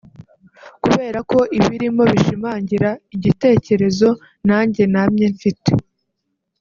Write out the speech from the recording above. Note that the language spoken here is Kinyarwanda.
Kubera ko ibirimo bishimangira igitekerezo nanjye namye mfite